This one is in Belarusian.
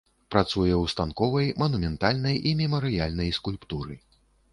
Працуе ў станковай, манументальнай і мемарыяльнай скульптуры.